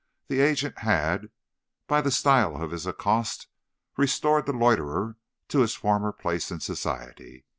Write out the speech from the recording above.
That agent had, by the style of his accost, restored the loiterer to his former place in society.